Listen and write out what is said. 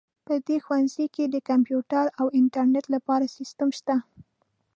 په دې ښوونځي کې د کمپیوټر او انټرنیټ لپاره سیسټم شته